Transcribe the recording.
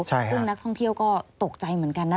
ซึ่งนักท่องเที่ยวก็ตกใจเหมือนกันนะ